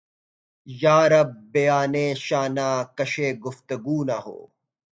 یارب! بیانِ شانہ کشِ گفتگو نہ ہو!